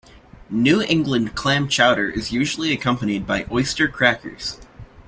New England clam chowder is usually accompanied by oyster crackers.